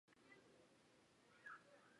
详参集团军。